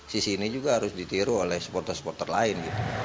sisi ini juga harus ditiru oleh supporter supporter lain